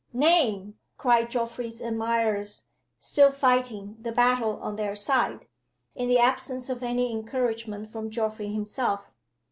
"Name!" cried Geoffrey's admirers, still fighting the battle on their side, in the absence of any encouragement from Geoffrey himself.